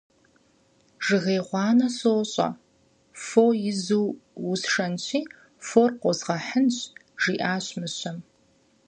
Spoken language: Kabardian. Жыгей гъуанэ сощӀэ, фо изу, усшэнщи, фор къозгъэхынщ, - жиӀащ мыщэм.